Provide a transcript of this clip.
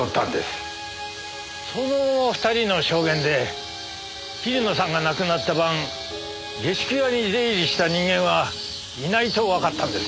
その２人の証言で桐野さんが亡くなった晩下宿屋に出入りした人間はいないとわかったんですな。